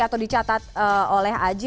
atau dicatat oleh aji